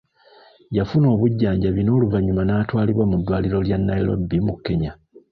Yafuna obujjanjabi n'oluvannyuma n'atwalibwa mu ddwaliro lya Nairobi mu Kenya.